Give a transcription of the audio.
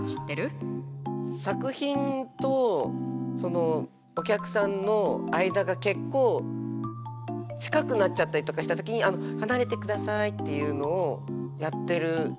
作品とお客さんの間が結構近くなっちゃったりとかした時に「離れてください」っていうのをやってる。